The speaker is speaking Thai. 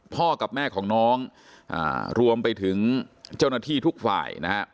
กับแม่ของน้องรวมไปถึงเจ้าหน้าที่ทุกฝ่ายนะฮะ